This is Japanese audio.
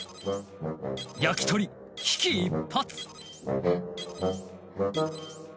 焼き鳥危機一髪